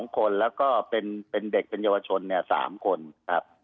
๒คนแล้วก็เป็นเด็กเป็นเยาวชน๓คนครับ